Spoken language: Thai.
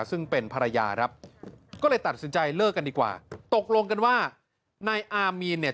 ซึ่งเป็นภรรยาครับก็เลยตัดสินใจเลิกกันดีกว่าตกลงกันว่านายอามีนเนี่ย